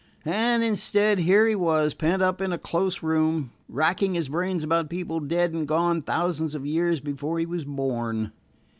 And, instead, here he was, pent up in a close room, racking his brains about people dead and gone thousands of years before he was born.